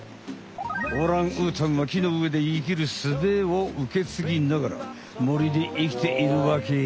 オランウータンは木の上で生きるすべを受け継ぎながら森で生きているわけよ！